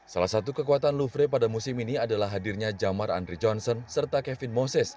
salah satu kekuatan lufre pada musim ini adalah hadirnya jamar andri johnson serta kevin moses